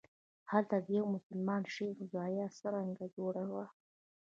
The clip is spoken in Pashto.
هلته د یوه مسلمان شیخ زاویه څرنګه جوړه وه.